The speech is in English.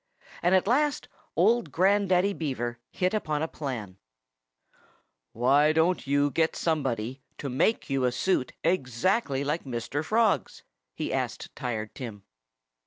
And at last old Grandaddy Beaver hit upon a plan. "Why don't you get somebody to make you a suit exactly like Mr. Frog's?" he asked Tired Tim.